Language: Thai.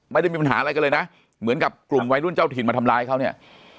ไม่ได้มีปัญหาอะไรกันเลยนะเหมือนกับกลุ่มวัยรุ่นเจ้าถิ่นมาทำร้ายเขาเนี่ย